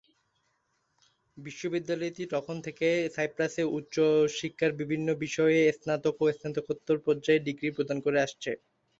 বিশ্ববিদ্যালয়টি তখন থেকে সাইপ্রাসে উচ্চ শিক্ষার বিভিন্ন বিষয়ে স্নাতক ও স্নাতকোত্তর পর্যায়ে ডিগ্রি প্রদান করে আসছে।